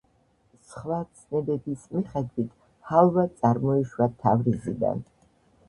სხვა ცნებების მიხედვით, ჰალვა წარმოიშვა თავრიზიდან.